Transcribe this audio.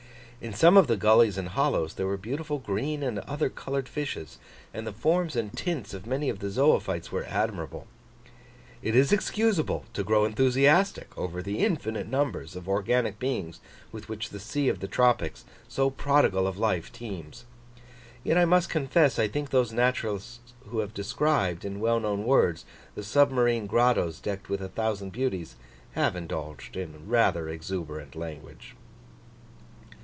In some of the gullies and hollows there were beautiful green and other coloured fishes, and the form and tints of many of the zoophytes were admirable. It is excusable to grow enthusiastic over the infinite numbers of organic beings with which the sea of the tropics, so prodigal of life, teems; yet I must confess I think those naturalists who have described, in well known words, the submarine grottoes decked with a thousand beauties, have indulged in rather exuberant language.